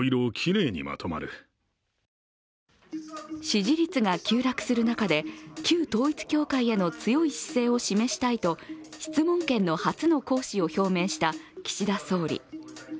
支持率が急落する中で旧統一教会への強い姿勢を示したいと質問権の初の行使を表明した岸田総理。